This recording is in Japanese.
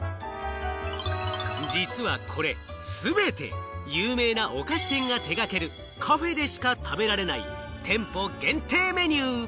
実はこれ全て、有名なお菓子店が手掛けるカフェでしか食べられない店舗限定メニュー。